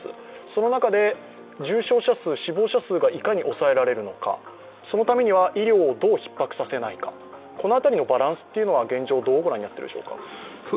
その中で、重症者数、死亡者数がいかに抑えられるのか、そのためには医療をどうひっ迫させないか、この辺りのバランスは現状どう御覧になっているでしょうか。